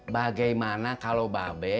bagaimana kalau babe